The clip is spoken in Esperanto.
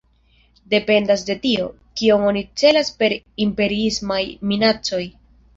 Dependas de tio, kion oni celas per “imperiismaj minacoj”.